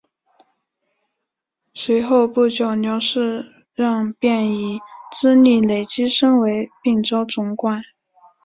随后不久刘世让便以资历累积升为并州总管。